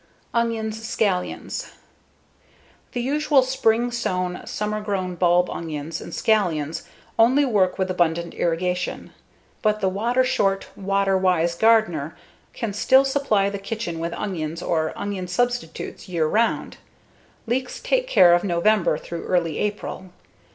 Onions/Scallions The usual spring sown, summer grown bulb onions and scallions only work with abundant irrigation. But the water short, water wise gardener can still supply the kitchen with onions or onion substitutes year round. Leeks take care of November through early April.